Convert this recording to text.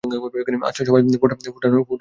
আচ্ছা সবাই, ফোরটাউনের খবর শোনো।